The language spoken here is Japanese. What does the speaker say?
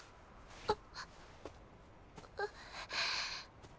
あっ。